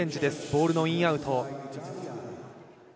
ボールのインアウト。